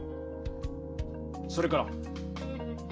それから？